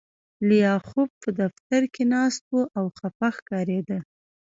لیاخوف په دفتر کې ناست و او خپه ښکارېده